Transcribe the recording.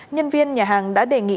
nhân viên nhà hàng đã đề nghị